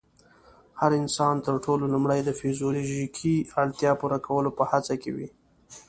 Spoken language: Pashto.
هر انسان تر ټولو لومړی د فزيولوژيکي اړتیا پوره کولو په هڅه کې وي.